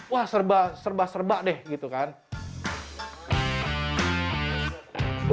wah serba serba deh